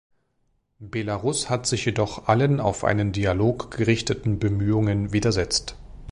Belarus hat sich jedoch allen auf einen Dialog gerichteten Bemühungen widersetzt.